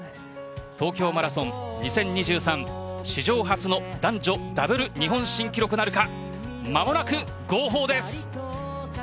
東京マラソン２０２３史上初の男女ダブル日本新記録なるか。